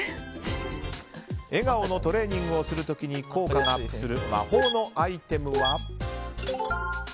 笑顔のトレーニングをする時に効果がアップする魔法のアイテムは。